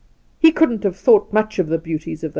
He couldn't have thought much of the beauties of.